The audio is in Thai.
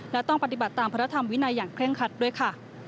และต้องปฏิบัติตามพระธรรมวินัยอย่างเคร่งคัดด้วยค่ะ